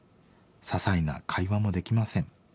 ささいな会話もできません。